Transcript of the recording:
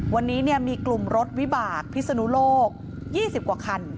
วันนี้มีกลุ่มรถวิบากพิศนุโลก๒๐กว่าคัน